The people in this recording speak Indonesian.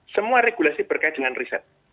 semua regulasi berkait dengan riset